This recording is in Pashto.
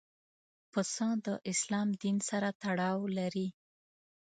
پسه د اسلام دین سره تړاو لري.